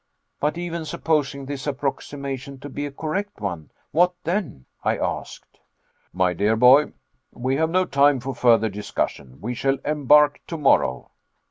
"But even supposing this approximation to be a correct one what then?" I asked. "My dear boy, we have no time for further discussion. We shall embark tomorrow."